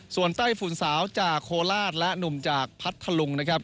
ส่วนไต้ฝุ่นสาวจากโคราชและหนุ่มจากพัทธลุงนะครับ